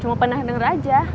cuma pernah denger aja